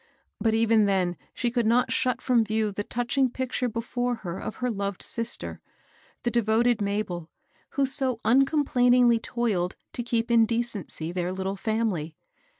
But even then she could not shut from view the touching picture before her of her loved sister, — the devoted Mabel, who so uncom plainingly toiled to keep in decency their little family.